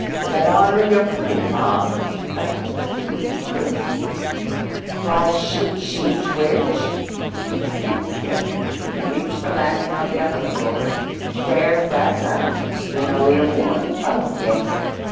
"Get on with your pudding, Bob;" but Hilda disapproves. "Why should she twitch?" Skip, skip, till we reach the landing on the upper floor; stairs brass bound; linoleum worn; oh, yes!